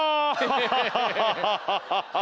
ハハハハハ！